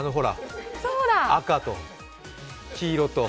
赤と黄色と青？